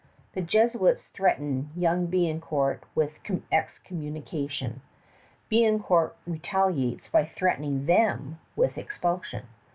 The Jesuits threaten young Biencourt with excommunication. Biencourt retaliates by threatening them with expulsion.